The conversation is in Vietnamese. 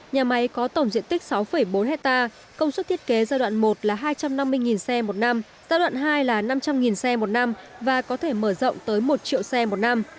nhà máy có tổng diện tích sáu bốn hectare công suất thiết kế giai đoạn một là hai trăm năm mươi xe một năm giai đoạn hai là năm trăm linh xe một năm và có thể mở rộng tới một triệu xe một năm